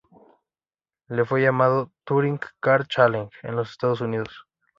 Le fue llamado "Touring Car Challenge" en los Estados Unidos.